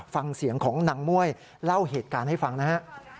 ฟังเสียงของนางม่วยเล่าเหตุการณ์ให้ฟังนะฮะ